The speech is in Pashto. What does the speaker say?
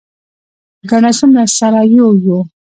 ګڼه څومره سره یو یو.